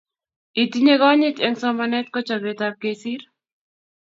Itinye konyit eng somanet ko chopetap kesir